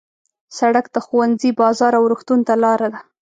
سړک د ښوونځي، بازار او روغتون ته لاره ده.